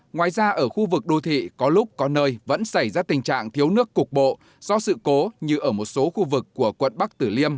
ngoài ra ở khu vực đô thị có lúc có nơi vẫn xảy ra tình trạng thiếu nước cục bộ do sự cố như ở một số khu vực của quận bắc tử liêm